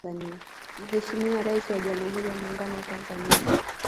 Mheshimiwa Rais wa Jamhuri ya muungano wa Taifa